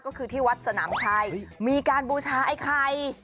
ก็คือที่วัดสนามชัยมีการบูชาไอ้ไข่